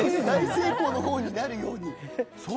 大成功の方になるように。